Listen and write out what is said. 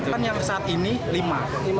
kan yang saat ini lima